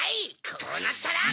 こうなったら！